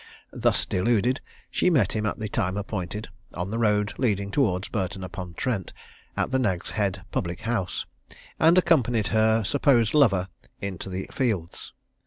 Thus deluded, she met him at the time appointed, on the road leading towards Burton upon Trent, at the Nag's Head public house, and accompanied her supposed lover into the fields.